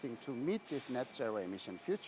untuk mencapai emisi net zero di masa depan